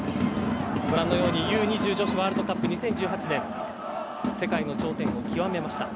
Ｕ‐２０女子ワールドカップ２０１８で世界の頂点を極めました。